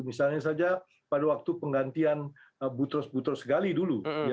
misalnya saja pada waktu penggantian butros butros gali dulu